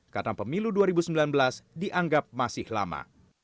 karena pemilu dua ribu sembilan belas dianggap masih lama